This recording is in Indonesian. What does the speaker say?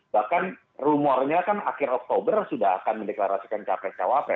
bahkan rumornya kan akhir oktober sudah akan mendeklarasikan capres cawapres